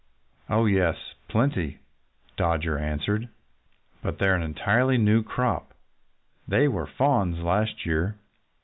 "Oh, yes! Plenty!" Dodger answered. "But they're an entirely new crop. They were fawns last year."